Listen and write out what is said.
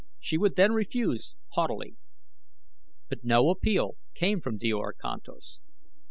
She would then refuse, haughtily. But no appeal came from Djor Kantos.